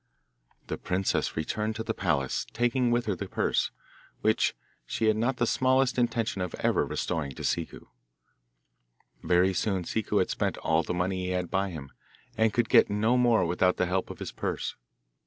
The princess returned to the palace, taking with her the purse, which she had not the smallest intention of ever restoring to Ciccu. Very soon Ciccu had spent all the money he had by him, and could get no more without the help of his purse.